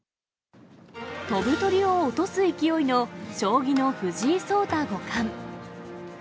飛ぶ鳥を落とす勢いの将棋の藤井聡太五冠。